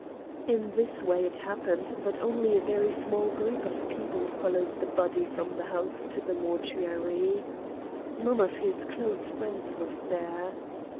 In this way it happened that only a very small group of peo ple followed the body from the house to the mor tuary. None of his close friends was there.